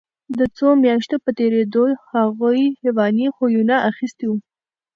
د څو میاشتو په تېرېدو هغوی حیواني خویونه اخیستي وو